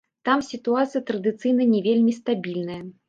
Там сітуацыя традыцыйна не вельмі стабільная.